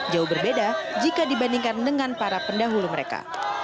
jauh berbeda jika dibandingkan dengan para pendahulu mereka